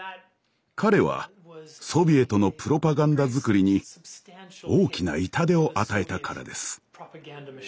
彼はソビエトのプロパガンダ作りに大きな痛手を与えたからです。